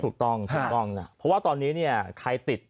ถูกต้องนะเพราะว่าตอนนี้ใครติด